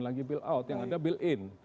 lagi bailout yang ada built in